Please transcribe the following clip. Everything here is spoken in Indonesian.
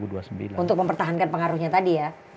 untuk mempertahankan pengaruhnya tadi ya